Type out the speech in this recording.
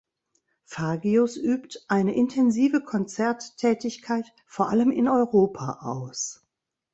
Fagius übt eine intensive Konzerttätigkeit vor allem in Europa aus.